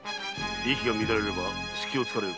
息が乱れれば隙を突かれる。